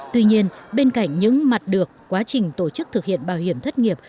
tuy nhiên bên cạnh những mặt được quá trình tổ chức thực hiện bảo hiểm thất nghiệp